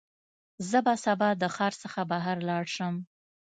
زه به سبا د ښار څخه بهر لاړ شم.